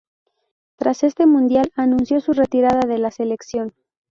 Tras este Mundial, anunció su retirada de la selección.